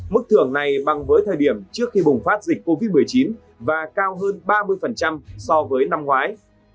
mức thưởng này bằng với thời điểm trước khi bùng phát dịch covid một mươi chín và cao hơn ba mươi so với năm ngoái